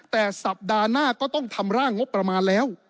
แต่สัปดาห์หน้าก็ต้องทำร่างงบประมาณแล้ว